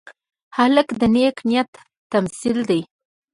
هلک د نیک نیت تمثیل دی.